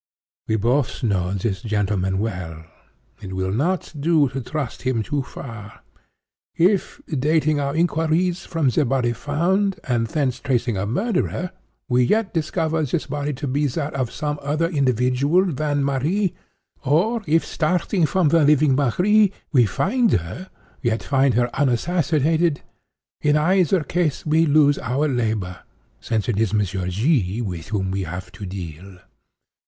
We both know this gentleman well. It will not do to trust him too far. If, dating our inquiries from the body found, and thence tracing a murderer, we yet discover this body to be that of some other individual than Marie; or, if starting from the living Marie, we find her, yet find her unassassinated—in either case we lose our labor; since it is Monsieur G—— with whom we have to deal.